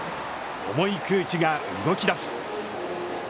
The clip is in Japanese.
重い空気が動き出す。